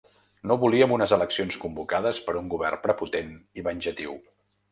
No volíem unes eleccions convocades per un govern prepotent i venjatiu.